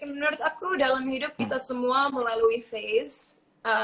jadi menurut aku dalam hidup kita semua melalui friendship